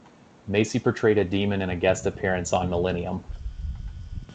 Macy portrayed a demon in a guest appearance on "Millennium".